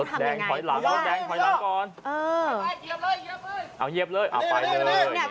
มันกำลังเจอมาดี